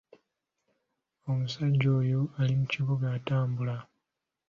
Omusajja oyo ali mu kibuga atambula.